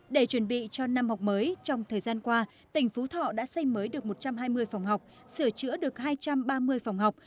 để chuẩn bị cho năm học mới trong thời gian qua tỉnh phú thọ đã xây mới được một trăm hai mươi phòng học sửa chữa được hai trăm ba mươi phòng học